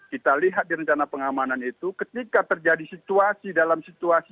kita lihat di rencana pengamanan itu ketika terjadi situasi dalam situasi